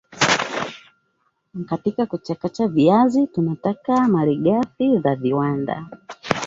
katika kuchakata viazi tunapata malighafi za viwanda